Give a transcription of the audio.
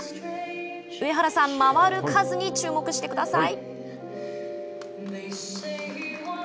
上原さん、回る数に注目してください。